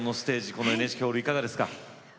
このＮＨＫホールいかがですか？